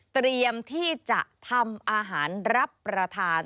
เตรียมที่จะทำอาหารรับประทาน